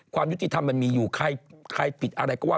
ความยุติธรรมมันมีอยู่ใครผิดอะไรก็ว่า